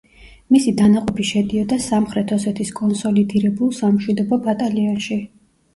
მისი დანაყოფი შედიოდა სამხრეთ ოსეთის კონსოლიდირებულ სამშვიდობო ბატალიონში.